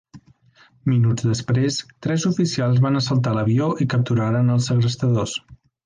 Minuts després tres oficials van assaltar l'avió i capturaren als segrestadors.